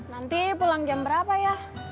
nanti pulang jam berapa ya